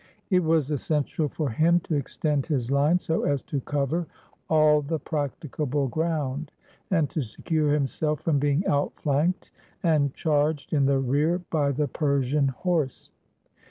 It was essential for him to extend his line so as to cover all the practicable ground, and to secure himself from being outflanked and charged in the rear by the Persian horse.